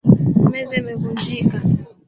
Meza imevunjika.